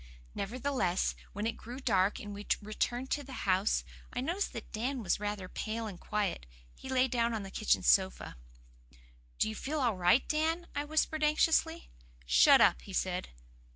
Nevertheless, when it grew dark and we returned to the house, I noticed that Dan was rather pale and quiet. He lay down on the kitchen sofa. "Don't you feel all right, Dan?" I whispered anxiously. "Shut up," he said.